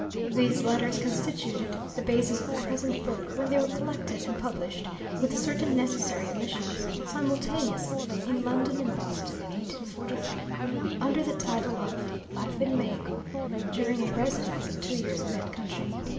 These letters constituted the basis of the present book when they were collected and published with certain necessary omissions simultaneously in London and Boston in 1843, under the title of Life in Mexico during a Residence of Two Years in that Country.